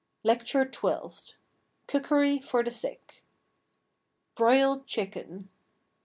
LECTURE TWELFTH. Cookery for the Sick. BROILED CHICKEN.